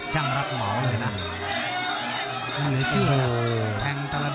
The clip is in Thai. มันเลยเชื่อนะ